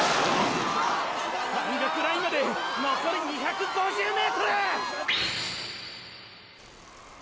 山岳ラインまでのこり２５０ｍ！！